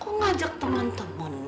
kok ngajak temen temennya